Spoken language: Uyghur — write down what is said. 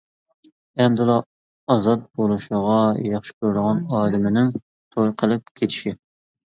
ئەمدىلا ئازاد بولۇشىغا ياخشى كۆرىدىغان ئادىمىنىڭ توي قىلىپ كېتىشى.